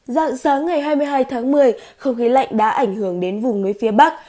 dạng sáng ngày hai mươi hai tháng một mươi không khí lạnh đã ảnh hưởng đến vùng núi phía bắc